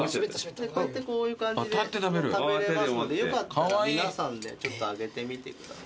こうやってこういう感じで食べれますのでよかったら皆さんであげてみてください。